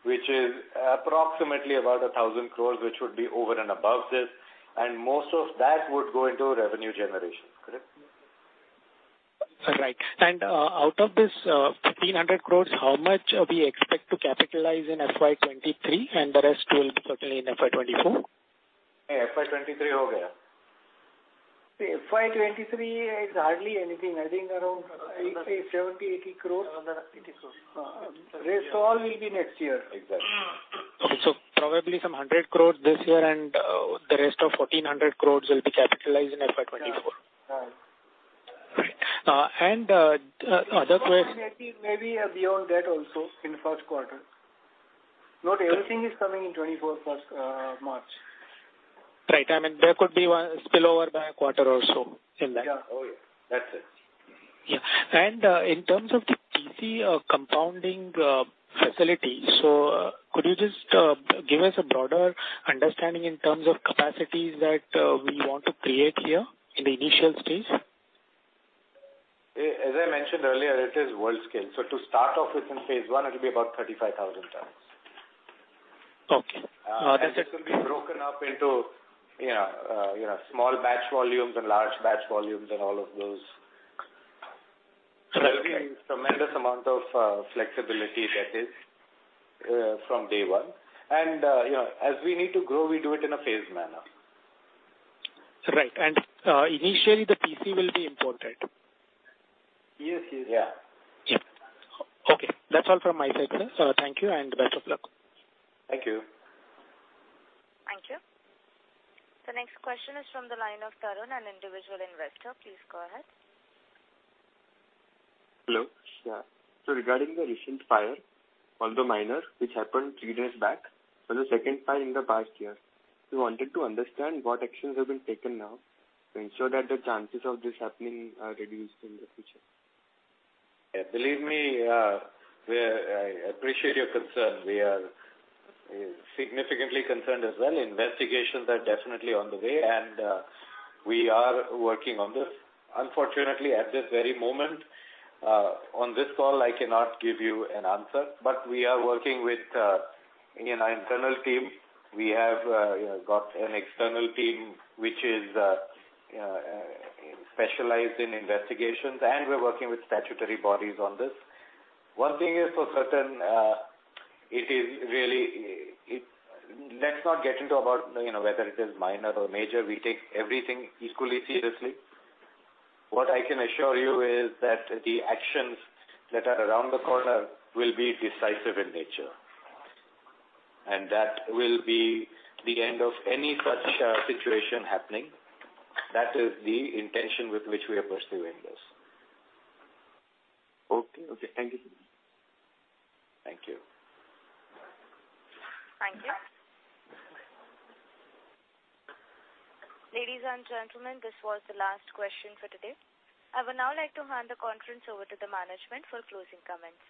which is approximately about 1,000 crores, which would be over and above this, and most of that would go into revenue generation. Correct? Right. Out of this 1,500 crores, how much are we expect to capitalize in FY 2023 and the rest will be certainly in FY 2024? In FY 2023. FY 2023 is hardly anything. I think around, I'd say 70 crores, 80 crores. Around 80 crores. Rest all will be next year. Exactly. Okay. probably some 100 crores this year and, the rest of 1,400 crores will be capitalized in FY 2024. Right. Right. and other. Maybe, beyond that also in Q1. Not everything is coming in 2024, first, March. Right. I mean, there could be one spill over by a quarter or so in that. Oh, yeah. That's it. Yeah. In terms of the PC, compounding, facility, could you just give us a broader understanding in terms of capacities that we want to create here in the initial stage? As I mentioned earlier, it is world-scale. To start off with in phase 1 it'll be about 35,000 tons. Okay. This will be broken up into, you know, you know, small batch volumes and large batch volumes and all of those. Okay. There will be tremendous amount of flexibility that is from day one. You know, as we need to grow, we do it in a phased manner. Right. Initially the PC will be imported. Yes, yes. Yeah. Okay. That's all from my side, sir. Thank you and best of luck. Thank you. Thank you. The next question is from the line of Tarun, an individual investor. Please go ahead. Hello. Yeah. Regarding the recent fire, although minor, which happened three days back, so the second fire in the past year, we wanted to understand what actions have been taken now to ensure that the chances of this happening are reduced in the future. Believe me, I appreciate your concern. We are significantly concerned as well. Investigations are definitely on the way, and we are working on this. Unfortunately, at this very moment, on this call, I cannot give you an answer, but we are working with, you know, internal team. We have, you know, got an external team which is, you know, specialized in investigations, and we're working with statutory bodies on this. One thing is for certain. Let's not get into about, you know, whether it is minor or major. We take everything equally seriously. What I can assure you is that the actions that are around the corner will be decisive in nature, and that will be the end of any such, situation happening. That is the intention with which we are pursuing this. Okay. Okay. Thank you. Thank you. Thank you. Ladies and gentlemen, this was the last question for today. I would now like to hand the conference over to the management for closing comments.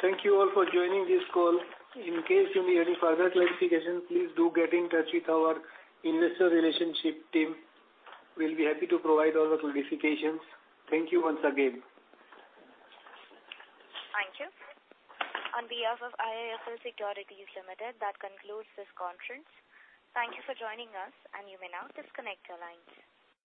Thank you all for joining this call. In case you need any further clarifications, please do get in touch with our investor relationship team. We'll be happy to provide all the clarifications. Thank you once again. Thank you. On behalf of IIFL Securities Limited, that concludes this conference. Thank you for joining us, and you may now disconnect your lines.